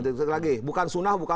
bukan sunah bukan makhluk